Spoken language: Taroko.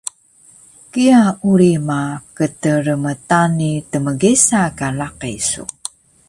Kiya uri ma kdrmtani tmgesa ka laqi su